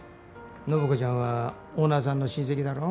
暢子ちゃんはオーナーさんの親戚だろ。